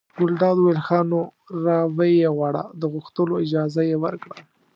ګلداد وویل ښه! نو را ویې غواړه د غوښتلو اجازه یې ورکړه.